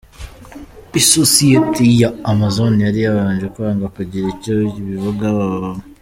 Isosiyete ya Amazon yari yabanje kwanga kugira icyo ibivugaho